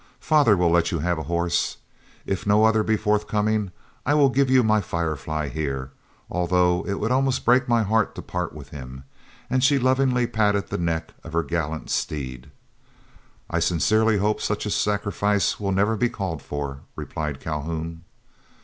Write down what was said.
Father will let you have a horse. If no other be forthcoming, I will give you my Firefly here, although it would almost break my heart to part with him," and she lovingly patted the neck of her gallant steed. "I sincerely hope such a sacrifice will never be called for," replied Calhoun.